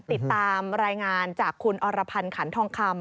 ติดตามรายงานจากคุณอรพันธ์ขันทองคำ